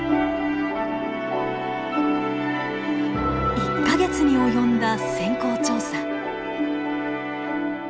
１か月に及んだ潜航調査。